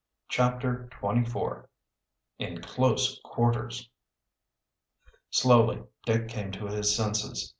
CHAPTER XXIV IN CLOSE QUARTERS Slowly Dick came to his senses.